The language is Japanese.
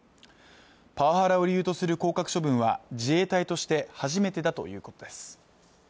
パワハラを理由とする降格処分は自衛隊として初めてだということです